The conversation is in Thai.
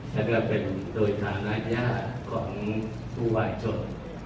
แล้วก็เป็นโดยฐานะยากของผู้วายชน